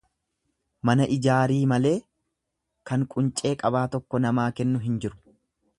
Mana ijaarii malee kan quncee qabaa tokko namaa kennu hin jiru.